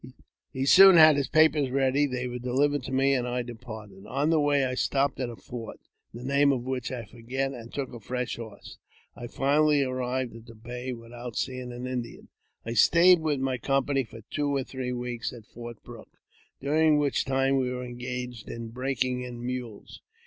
He soon had his papers ready ; they were delivered to m and I departed. On the way I stopped at a fort, the name which I forget, and took a fresh horse. I finally arrived at i Bay without seeing an Indian. I stayed with my company for two or three weeks at Fo: Brooke, during which time we were engaged in breaking in mules.